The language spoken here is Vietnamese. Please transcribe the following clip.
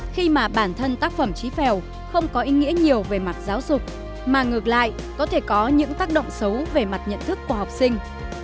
khi mà bản thân tác phẩm trí phèo không có ý nghĩa nhiều về mặt giáo dục mà ngược lại có thể có những tác động xấu về mặt nhận thức của học sinh